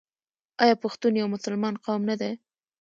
آیا پښتون یو مسلمان قوم نه دی؟